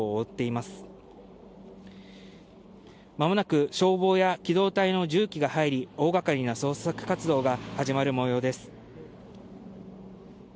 まもなく消防や機動隊の重機が入り、大がかりな捜索活動が始まるもようです。